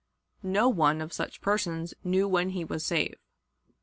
No one of such persons knew when he was safe.